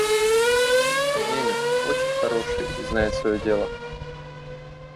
Немец, очень хороший и знает свое дело.